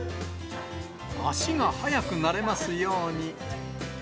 足が速くなれますように。